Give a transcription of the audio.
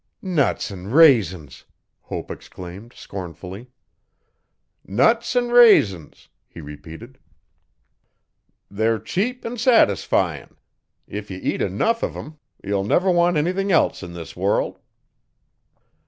'Nuts 'n' raisins!' Hope exclaimed, scornfully. 'Nuts 'n' raisins,' he repeated. 'They're cheap 'n' satisfyin'. If ye eat enough uv 'em you'll never want anything else in this world.'